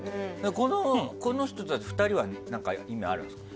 この人たち、２人は意味あるんですか。